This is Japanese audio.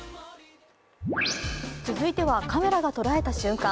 続いては、カメラが捉えた瞬間。